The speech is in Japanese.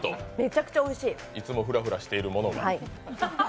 いつもフラフラしているものが。